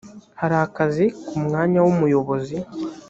hari akazi ku mwanya wumuyobozi